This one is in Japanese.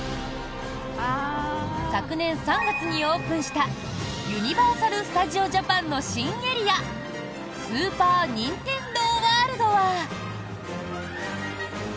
昨年３月にオープンしたユニバーサル・スタジオ・ジャパンの新エリアスーパー・ニンテンドー・ワールドは。